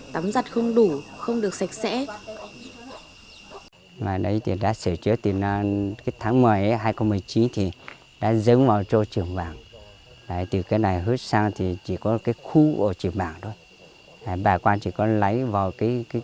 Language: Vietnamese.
tắm giặt không đủ không được sạch sẽ